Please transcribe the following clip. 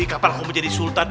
kapan aku menjadi sultan